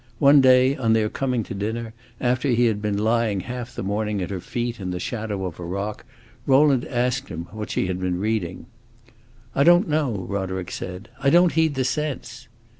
One day, on their coming to dinner, after he had been lying half the morning at her feet, in the shadow of a rock, Rowland asked him what she had been reading. "I don't know," Roderick said, "I don't heed the sense."